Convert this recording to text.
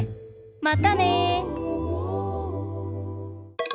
またね！